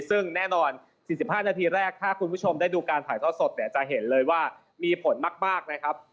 ซึ่งแน่นอน๔๕นาทีแรกถ้าคุณผู้ชมได้ดูการถ่ายทอดสดเนี่ยจะเห็นเลยว่ามีผลมากนะครับ